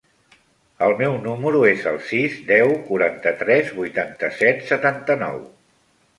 El meu número es el sis, deu, quaranta-tres, vuitanta-set, setanta-nou.